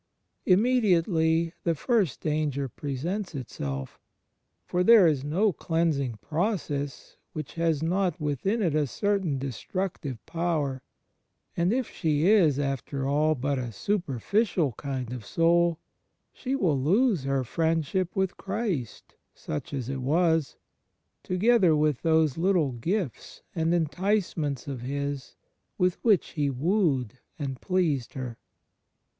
Immediately the first danger presents itself; for there is no cleansing process which has not within it a certain destructive power; and if she is, after all, but a super ficial kind of soul, she will lose her Friendship with Christ (such as it was), together with those little gifts and enticements of His with which He wooed and pleased her.